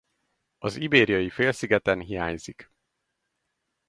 Az Ibériai-félszigeten hiányzik.